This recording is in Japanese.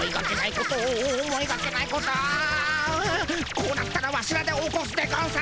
こうなったらワシらで起こすでゴンス。